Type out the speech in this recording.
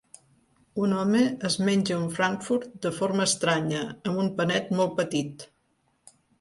Un home es menja un frankfurt de forma estranya amb un panet molt petit.